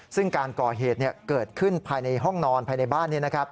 ซึ่งการก่อเหตุเกิดขึ้นภายในห้องนอนภายในบ้าน